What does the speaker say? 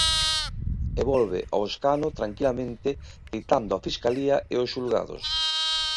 E volve ao escano tranquilamente citando a Fiscalía e os xulgados.